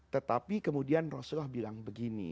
tetapi kemudian rasulullah bilang begini